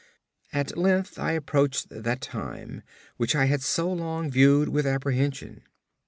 At length I approached that time which I had so long viewed with apprehension.